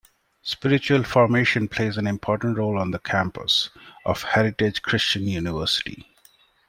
Spiritual formation plays an important role on the campus of Heritage Christian University.